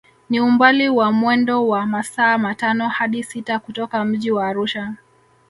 Ni umbali wa mwendo wa masaa matano hadi sita kutoka mji wa Arusha